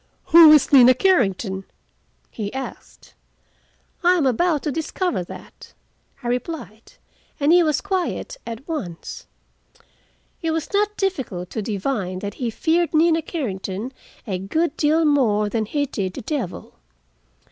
"Who is Nina Carrington?" he asked. "I am about to discover that," I replied, and he was quiet at once. It was not difficult to divine that he feared Nina Carrington a good deal more than he did the devil.